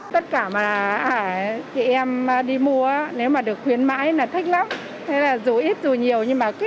tất cả mà chị em đi mua nếu mà được khuyến mãi là thích lắm thế là dù ít dù nhiều nhưng mà cứ